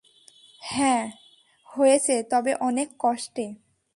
হ্যাঁঁ হয়েছে তবে অনেক কষ্টে।